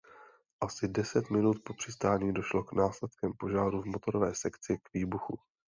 Asi deset minut po přistání došlo následkem požáru v motorové sekci k výbuchu.